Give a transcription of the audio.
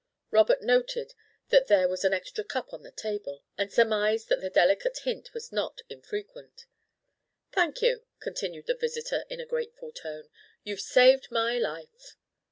Robert noted that there was an extra cup on the table, and surmised that the delicate hint was not infrequent. "Thank you," continued the visitor in a grateful tone; "you've saved my life."